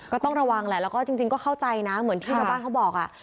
ก็ต้องระวังแหละแล้วก็จริงก็เข้าใจนะเหมือนที่ชาวบ้านเขาบอก